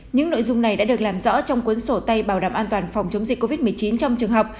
những nội dung này đã được làm rõ trong cuốn sổ tay bảo đảm an toàn phòng chống dịch covid một mươi chín trong trường học